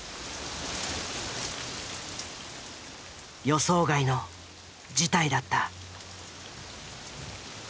予想外の事態だった。